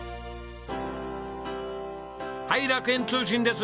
はい楽園通信です。